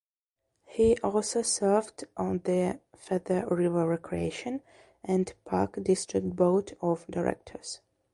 He also served on the Feather River Recreation and Park District Board of Directors.